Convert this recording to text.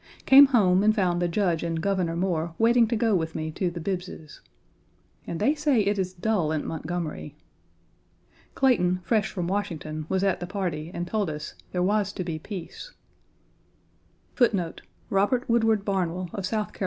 Came home and found the Judge and Governor Moore waiting to go with me to the Bibbs's. And they say it is dull in Montgomery! Clayton, fresh from Washington, was at the party and told us "there was to be peace."